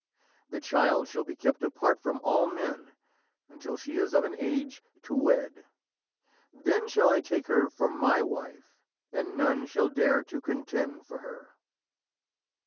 The child shall be kept apart from all men until she is of an age to wed. Then shall I take her for my wife, and none shall dare to contend for her."